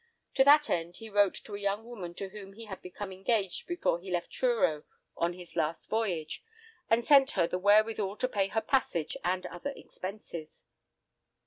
To that end he wrote to a young woman to whom he had become engaged before he left Truro on his last voyage, and sent her the wherewithal to pay her passage and other expenses.